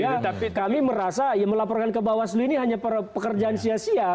sehingga kami merasa melaporkan ke bawaslu ini hanya pekerjaan sia sia